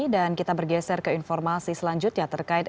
dan kita bergeser ke informasi selanjutnya terkait